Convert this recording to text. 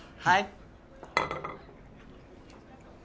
はい。